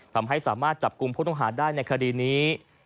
ทำให้สามารถจับกลุ่มผู้ต้องหาได้ในคดีนี้